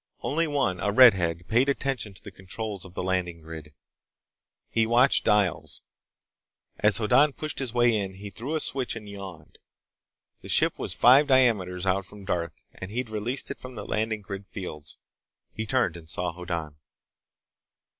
Only one, a redhead, paid attention to the controls of the landing grid. He watched dials. As Hoddan pushed his way in, he threw a switch and yawned. The ship was five diameters out from Darth, and he'd released it from the landing grid fields. He turned and saw Hoddan.